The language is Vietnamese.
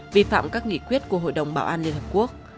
vi phạm các nghị quyết của hội đồng bảo an liên hợp quốc